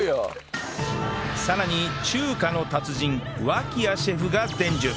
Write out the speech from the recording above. さらに中華の達人脇屋シェフが伝授！